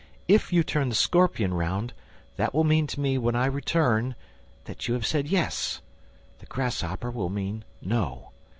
If you turn the scorpion round, that will mean to me, when I return, that you have said yes. The grasshopper will mean no.'